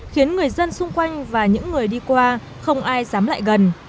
khiến người dân xung quanh và những người đi qua không ai dám lại gần